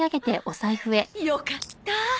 よかった。